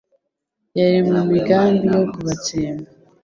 Yari mu migambi yo kubatsemba